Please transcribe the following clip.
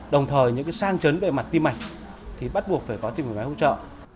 đồng thời những sang chấn về mặt tim mạch thì bắt buộc phải có tim phổi máy hỗ trợ